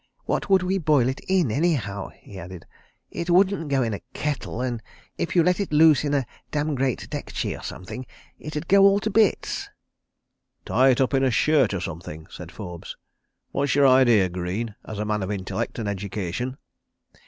"What would we boil it in, anyhow?" he added. "It wouldn't go in a kettle, an' if you let it loose in a dam' great dekchi or something, it'd all go to bits. ..." "Tie it up in a shirt or something," said Forbes. ... "What's your idea, Greene—as a man of intellect and education?"